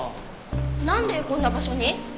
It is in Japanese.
なんでこんな場所に？